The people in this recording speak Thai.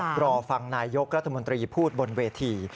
แล้วก็รอฟังนายกรัฐมนตรีพูดบนเวที